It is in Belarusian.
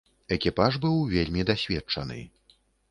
Экіпаж быў вельмі дасведчаны.